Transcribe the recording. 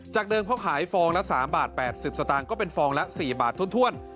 เดิมเพราะขายฟองละ๓บาท๘๐สตางค์ก็เป็นฟองละ๔บาทถ้วน